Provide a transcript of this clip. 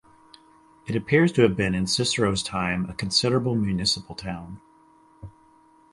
It appears to have been in Cicero's time a considerable municipal town.